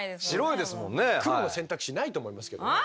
黒の選択肢ないと思いますけどね。